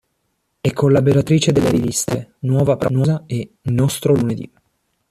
È collaboratrice delle Riviste "Nuova Prosa" e "Nostro lunedì".